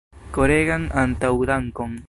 Koregan antaŭdankon!